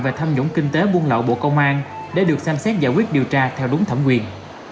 về tham nhũng kinh tế buôn lậu bộ công an để được xem xét giải quyết điều tra theo đúng thẩm quyền